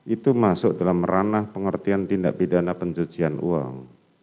itu masuk dalam ranah pengertian tindak pidana pencucian uang